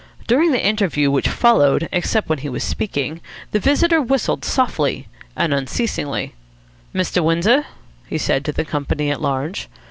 During the interview which followed, except when he was speaking, the visitor whistled softly and unceasingly. "Mr. Windsor?" he said to the company at large.